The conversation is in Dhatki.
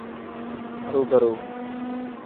هرو برو.